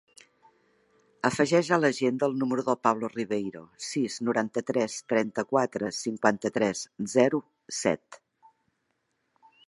Afegeix a l'agenda el número del Pablo Ribeiro: sis, noranta-tres, trenta-quatre, cinquanta-tres, zero, set.